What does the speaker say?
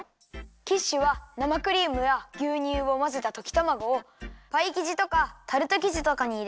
キッシュはなまクリームやぎゅうにゅうをまぜたときたまごをパイきじとかタルトきじとかにいれてやくりょうりだよ。